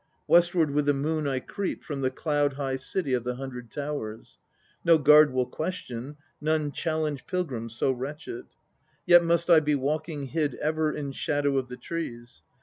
Westward with the moon I creep From the cloud high City of the Hundred Towers. No guard will question, none challenge i m so wretched : yet must I be walking Hid ever in shadow of the trees.